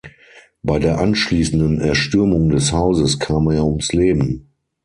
Bei der anschließenden Erstürmung des Hauses kam er ums Leben.